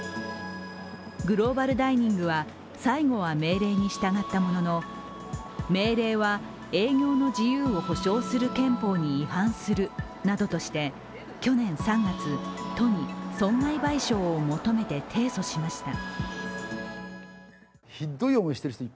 グローバルダイニングは最後は命令に従ったものの命令は、営業の自由を保障する憲法に違反するなどとして、去年３月、都に損害賠償を求めて提訴しました。